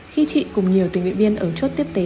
khi chị cùng nhiều tình nguyện viên ở chốt tiếp tế